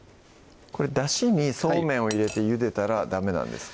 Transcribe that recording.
これだしにそうめんを入れてゆでたらダメなんですか？